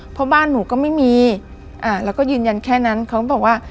เพราะบ้านหนูก็ไม่มีแล้วก็ยืนยันแค่นั้นเขาก็บอกว่า